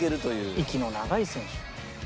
息の長い選手。